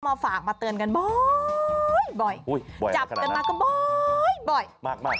มาฝากมาเตือนกันบ่อยจับกันมาก็บ่อย